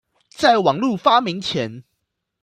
在網路發明前